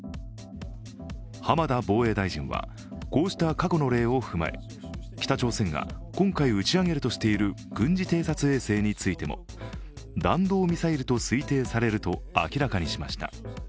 浜田防衛大臣は、こうした過去の例を踏まえ北朝鮮が今回打ち上げるとしている軍事偵察衛星についても弾道ミサイルと推定されると明らかにしました。